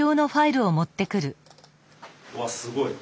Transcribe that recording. うわすごい。